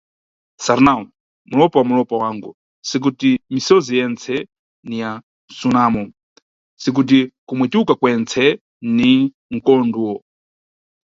Sarnau, mulopa wa mulopa wangu sikuti misozi yentse ni ya msunamo, si kuti kumwetuka kwentse ni mkondwo.